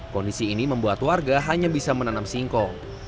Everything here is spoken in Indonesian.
kondisi ini membuat warga hanya bisa menanam singkong